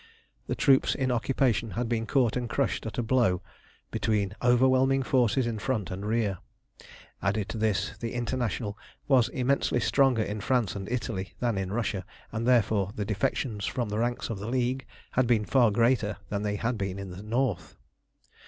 The troops in occupation had been caught and crushed at a blow between overwhelming forces in front and rear. Added to this, the International was immensely stronger in France and Italy than in Russia, and therefore the defections from the ranks of the League had been far greater than they had been in the north.